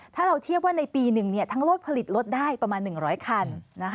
ถ้าเราเทียบว่าในปี๑ทั้งรถผลิตลดได้ประมาณ๑๐๐คัน